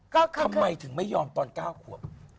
ทำไมถึงไม่ยอมตอน๙ขวบ